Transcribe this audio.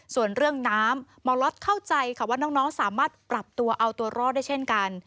ส่วนเรื่องน้ำหมอล็อตเข้าใจค่ะว่าน้องสามารถปรับตัวเอาตัวรอดได้เช่นกัน